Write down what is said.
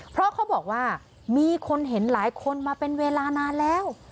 เพราะเขาบอกว่ามีคนเห็นหลายคนมาเป็นเวลานานแล้ว